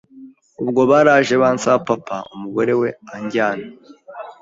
Ubwo baraje bansaba papa, umugore we anjyana